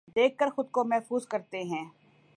دیکھ کر خود کو محظوظ کرتے ہیں